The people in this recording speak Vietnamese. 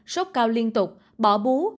sốc cao liên tục bỏ bú